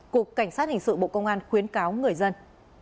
cục cảnh sát hình sự bộ công an khuyến cáo người dân